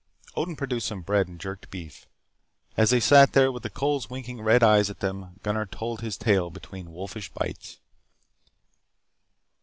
Odin produced some bread and jerked beef. As they sat there, with the coals winking red eyes at them, Gunnar told his tale between wolfish bites.